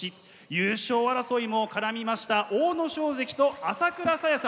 優勝争いも絡みました阿武咲関と朝倉さやさん。